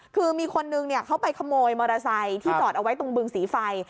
คือมีคนนึงเขาไปขโมยมอเตอร์ไซค์ที่จอดเอาไว้ตรงบึงสีไฟ